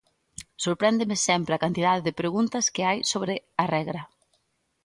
Sorpréndeme sempre a cantidade de preguntas que hai sobre a regra.